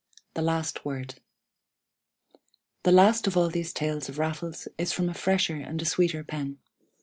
The Last Word The last of all these tales of Raffles is from a fresher and a sweeter pen.